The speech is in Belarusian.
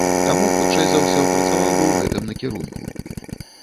Таму, хутчэй за ўсё, працаваў бы ў гэтым накірунку.